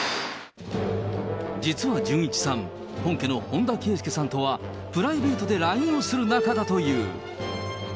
実はじゅんいちさん、本家の本田圭佑さんとはプライベートでラインをする仲だという。